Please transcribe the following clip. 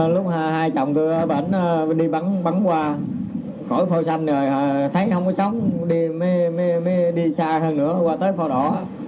lúc hai chồng tôi bẩn đi bắn qua khỏi phò xanh rồi thấy không có sóng mới đi xa hơn nữa qua tới phò đỏ